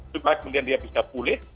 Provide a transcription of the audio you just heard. supaya kemudian dia bisa pulih